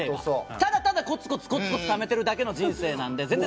ただただコツコツためてる人生なので。